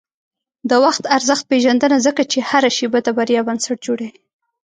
د وخت ارزښت پېژنه، ځکه چې هره شېبه د بریا بنسټ جوړوي.